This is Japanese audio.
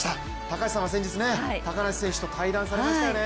高橋さんは先日、高梨選手と対談されましたね。